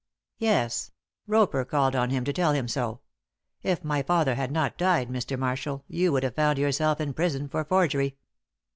"Yes. Roper called on him to tell him so. If my father had not died, Mr. Marshall, you would have found yourself in prison for forgery."